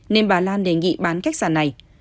nên bà lan đề nghị bán khách sạn này